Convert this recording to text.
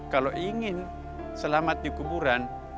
kalau ingin selamat dikuburan